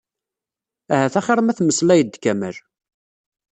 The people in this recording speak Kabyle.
Ahat axir ma temmeslayeḍ d Kamal.